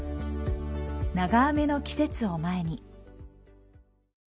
長雨の季節を前に。